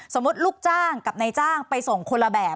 ลูกจ้างกับนายจ้างไปส่งคนละแบบ